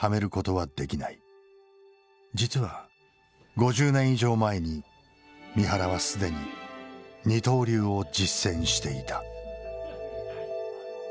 実は５０年以上前に三原は既に二刀流を実践していた。